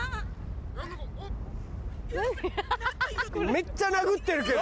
めっちゃ殴ってるけど。